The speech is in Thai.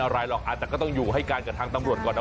อะไรหรอกแต่ก็ต้องอยู่ให้การกับทางตำรวจก่อนนะ